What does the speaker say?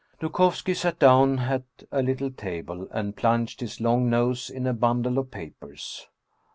Dukovski sat down at a little table, and plunged his long nose in a bundle of papers.